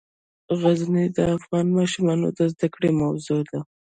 غزني د افغان ماشومانو د زده کړې موضوع ده.